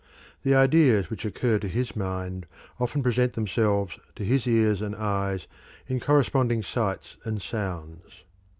The ideas which occur to his mind often present themselves to his eyes and ears in corresponding sights and sounds.